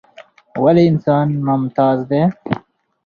ولې انسان ممتاز دى؟